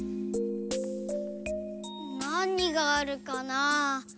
なにがあるかな？